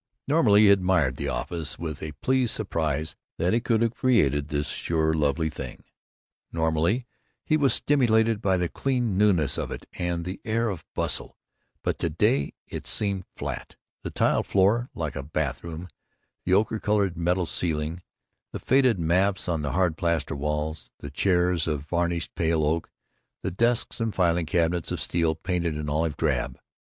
Normally he admired the office, with a pleased surprise that he should have created this sure lovely thing; normally he was stimulated by the clean newness of it and the air of bustle; but to day it seemed flat the tiled floor, like a bathroom, the ocher colored metal ceiling, the faded maps on the hard plaster walls, the chairs of varnished pale oak, the desks and filing cabinets of steel painted in olive drab.